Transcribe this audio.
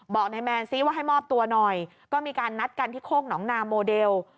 บอกนายแมนซิว่าให้มอบตัวหน่อยก็มีการนัดกันที่โคกหนองนาโมเดล